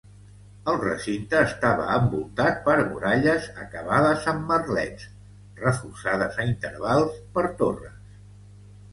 El recinte estava envoltat per muralles acabades amb merlets, reforçades a intervals per torres.